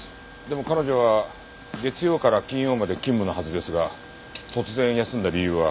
でも彼女は月曜から金曜まで勤務のはずですが突然休んだ理由は？